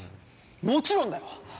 もちろんだよ。